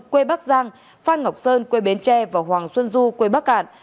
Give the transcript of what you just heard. quê bắc giang phan ngọc sơn quê bến tre và hoàng xuân du quê bắc cạn